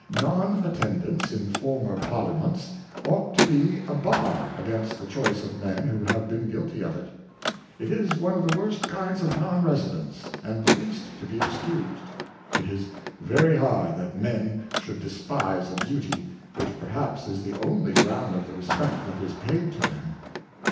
Non Attendance in former Parliaments ought to be a Bar against the Choice of Men who have been guilty of it. It is one of the worst kinds of Non Residence, and the least to be excused : It is very hard that Men should despise a Duty, which perhaps is the only ground of the respect that is paid to them.